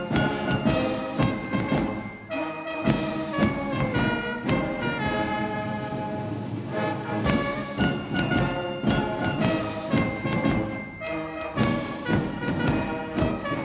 jangan lupa untuk berlangganan dan berlangganan